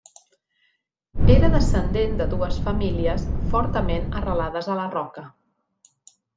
Era descendent de dues famílies fortament arrelades a la Roca.